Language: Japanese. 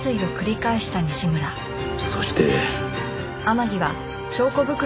そして